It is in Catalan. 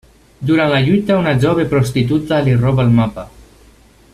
Durant la lluita una jove prostituta li roba el mapa.